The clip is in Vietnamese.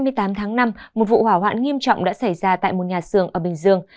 ngày hai mươi tám tháng năm một vụ hỏa hoạn nghiêm trọng đã xảy ra tại một nhà xưởng ở bình dương